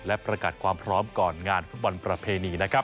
และประกาศความพร้อมก่อนงานฟุตบอลประเพณีนะครับ